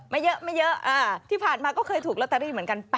ไม่เย้อที่ผ่านมาก็เคยถูกล็อตเตอรี่เหมือนกัน